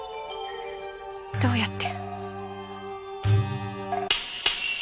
どうやって。